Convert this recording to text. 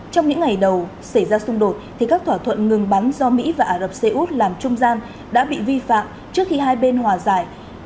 trong những ngày đầu xảy ra xung đột thì các thỏa thuận ngừng bắn do mỹ và ả rập xê út làm trung gian đã bị vi phạm trước khi hai bên hòa giải